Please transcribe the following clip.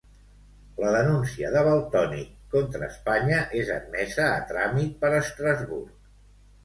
La denúncia de Valtònyc contra Espanya és admesa a tràmit per Estrasburg.